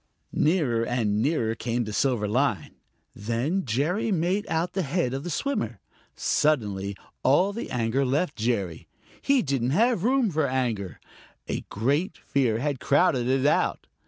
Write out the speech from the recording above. Nearer and nearer came the silver line. Then Jerry made out the head of the swimmer. Suddenly all the anger left Jerry. He didn't have room for anger; a great fear had crowded it out.